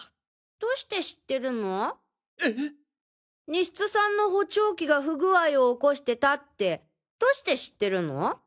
西津さんの補聴器が不具合を起こしてたってどうして知ってるの？